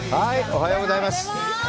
おはようございます。